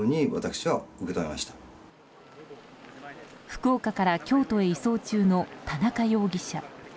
福岡から京都へ移送中の田中容疑者。